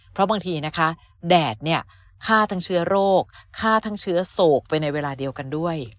เพราะบางทีนะคะแดดเนี่ยฆ่าทั้งเชื้อโรคฆ่าทั้งเชื้อโศกไปในเวลาเดียวกันด้วย